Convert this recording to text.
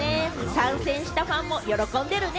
参戦したファンも喜んでいるね。